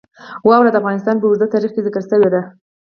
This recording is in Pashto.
واوره د افغانستان په اوږده تاریخ کې ذکر شوې ده.